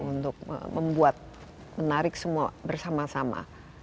untuk membuat menarik semua bersama sama